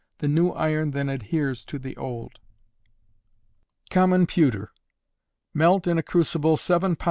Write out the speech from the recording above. The new iron then adheres to the old. Common Pewter. Melt in a crucible 7 lbs.